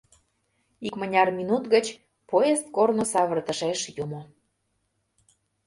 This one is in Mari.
Икмыняр минут гыч поезд корно савыртышеш йомо.